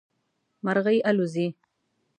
مرغی الوزي